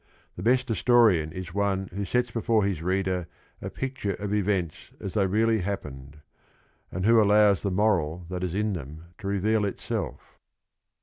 The best historian is the one who sets before his reader a picture of events as they really happened — and who allows the moral that is in them to reveal itself.